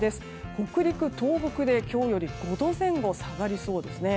北陸、東北で今日より５度前後下がりそうです。